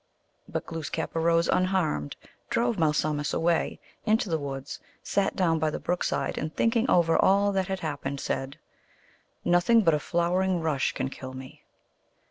But Gloos kap arose unharmed, drove Malsumsis away into the woods, sat down by the brook side, and thinking over all that had happened, said, " Nothing but a flowering rush can kill me."